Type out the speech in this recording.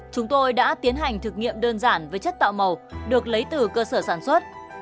chúng tôi đã tiến hành thực nghiệm đơn giản với chất tạo màu được lấy từ cơ sở sản xuất